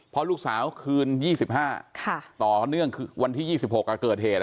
เพราะลูกสาวคืนยี่สิบห้าค่ะต่อเนื่องคือวันที่ยี่สิบหกอ่ะเกิดเหรอ